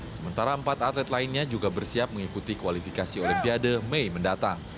sementara empat atlet lainnya juga bersiap mengikuti kualifikasi olimpiade mei mendatang